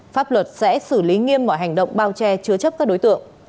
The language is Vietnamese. pháp luật sẽ xử lý nghiêm mọi hành động bao che chứa chấp các đối tượng